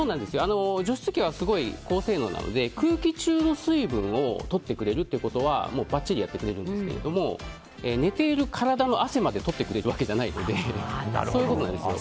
除湿機はとても高性能なので空気中の水分を取ってくれるということはばっちりやってくれるんですけど寝ている体の汗まで取ってくれるわけじゃないので。